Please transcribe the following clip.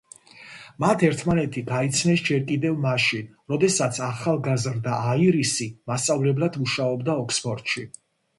მათ ერთმანეთი გაიცნეს ჯერ კიდევ მაშინ, როდესაც ახალგაზრდა აირისი მასწავლებლად მუშაობდა ოქსფორდში.